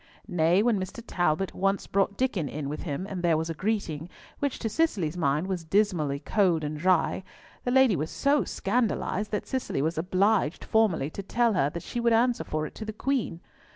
Nay, when Mr. Talbot once brought Diccon in with him, and there was a greeting, which to Cicely's mind was dismally cold and dry, the lady was so scandalised that Cicely was obliged formally to tell her that she would answer for it to the Queen.